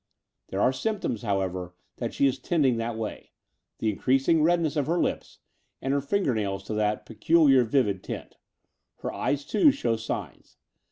Theg^ aie ' g y in ptoms, however, that she is tending that way — ^the increasing redness of her lips and her finger nails to that peculiar vivid tint. Her eyes, too, show signs.